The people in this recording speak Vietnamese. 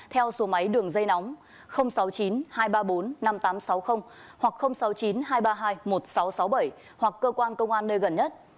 theo số máy đường dây nóng sáu mươi chín hai trăm ba mươi bốn năm nghìn tám trăm sáu mươi hoặc sáu mươi chín hai trăm ba mươi hai một nghìn sáu trăm sáu mươi bảy hoặc cơ quan công an nơi gần nhất